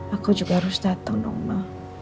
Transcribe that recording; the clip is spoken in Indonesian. aku juga harus datang dong ma